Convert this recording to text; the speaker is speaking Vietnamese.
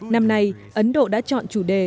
năm nay ấn độ đã chọn chủ đề